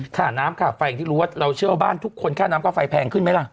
ค่าน้ำค่าไฟอย่างที่รู้ว่าเราเชื่อว่าบ้านทุกคนค่าน้ำค่าไฟแพงขึ้นไหมล่ะ